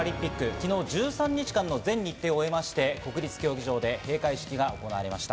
昨日１３日間の全日程を終え、新国立競技場で閉会式が行われました。